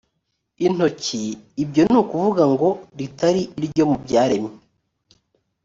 intoki ibyo ni ukuvuga ngo ritari iryo mu byaremwe